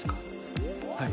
はい。